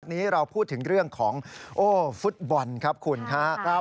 นี้เราพูดถึงเรื่องของโอ้ฟุตบอลครับคุณครับ